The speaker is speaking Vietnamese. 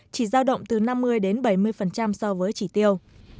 chỉ giao động từ năm mươi đến bảy mươi so với chỉ tiêu